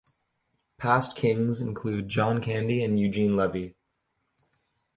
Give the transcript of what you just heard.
Past Kings include John Candy and Eugene Levy.